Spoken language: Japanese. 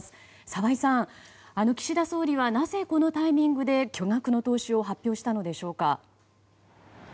澤井さん、岸田総理はなぜこのタイミングで巨額の投資を発表したのでしょうか。